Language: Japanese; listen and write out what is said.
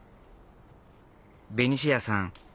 ベニシアさん